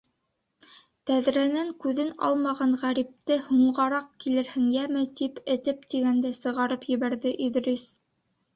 Тәҙрәнән күҙен алмаған ғәрипте, һуңғараҡ килерһең, йәме, тип этеп тигәндәй сығарып ебәрҙе Иҙрис.